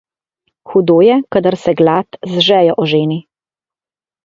Hudo je, kadar se glad z žejo oženi.